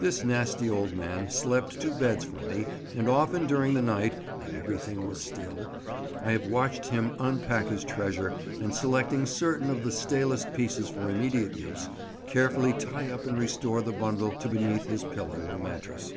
This nasty old man slept two beds from me, and often during the night, "when everything was still," I have watched him unpack his treasure, and, selecting certain of the stalest pieces for immediate use, carefully tie up and restore the bundle to beneath his pillow or mattress.